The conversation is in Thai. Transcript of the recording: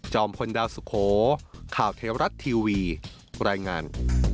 พลดาวสุโขข่าวเทวรัฐทีวีรายงาน